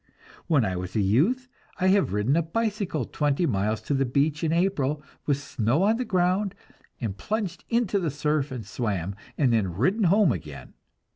When I was a youth, I have ridden a bicycle twenty miles to the beach in April, with snow on the ground, and plunged into the surf and swam, and then ridden home again.